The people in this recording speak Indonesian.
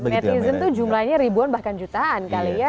netizen tuh jumlahnya ribuan bahkan jutaan kali ya